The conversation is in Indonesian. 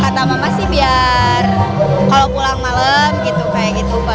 kata mama sih biar kalau pulang malam gitu